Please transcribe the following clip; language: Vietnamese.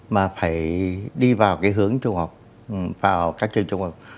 mà phải đi vào cái hướng trung học vào các trường trung học